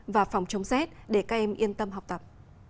và phòng chống rét để các em yên tâm học tập